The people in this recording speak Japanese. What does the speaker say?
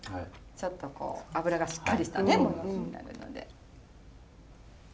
ちょっとこう脂がしっかりしたものになるので。